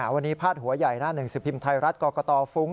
วันนี้พาดหัวใหญ่หน้าหนึ่งสิบพิมพ์ไทยรัฐกรกตฟุ้ง